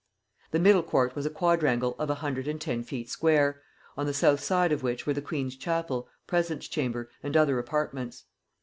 The middle court was a quadrangle of 110 feet square, on the south side of which were the queen's chapel, presence chamber, and other apartments.